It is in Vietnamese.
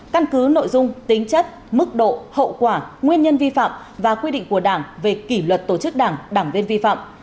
căn cứ nội dung tính chất mức độ hậu quả nguyên nhân vi phạm và quy định của đảng về kỷ luật tổ chức đảng đảng viên vi phạm